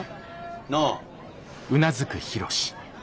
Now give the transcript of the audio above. なあ？